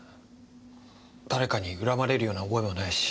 誰かに恨まれるような覚えもないし。